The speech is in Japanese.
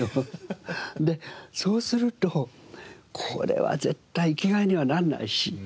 でそうするとこれは絶対生きがいにはならないし。